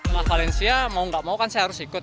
nah valencia mau gak mau kan saya harus ikut